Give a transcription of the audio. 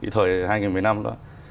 thời hai nghìn một mươi năm đó